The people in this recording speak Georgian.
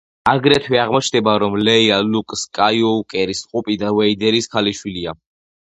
აგრეთვე აღმოჩნდება, რომ ლეია ლუკ სკაიუოკერის ტყუპი და და ვეიდერის ქალიშვილია.